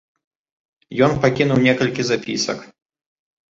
Ён пакінуў некалькі запісак.